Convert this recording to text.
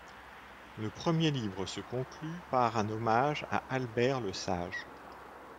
Le premier livre se conclut par un hommage à Albert le Sage.